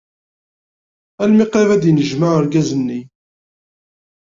Almi qrib ad d-yennejmaɛ urgaz-nni.